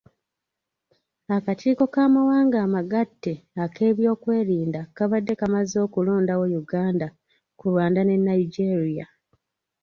Akakiiko k'amawanga amagatte ak'ebyokwerinda kabadde kamaze okulondawo Uganda ku Rwanda ne Nigeria.